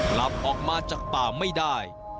กลับออกมาจากป่าไม่ได้